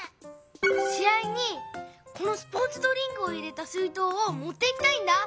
し合にこのスポーツドリンクを入れた水とうをもっていきたいんだ。